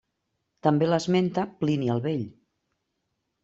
També l'esmenta Plini el Vell.